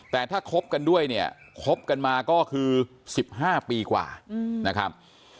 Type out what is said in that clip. แต่ถ้าคบกันด้วยเนี่ยคบกันมาก็คือ๑๕ปีกว่านะครับ